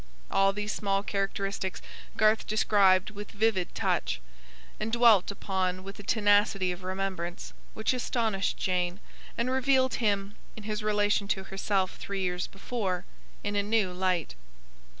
All these small characteristics Garth described with vivid touch, and dwelt upon with a tenacity of remembrance, which astonished Jane, and revealed him, in his relation to herself three years before, in a new light.